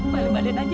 paling badan aja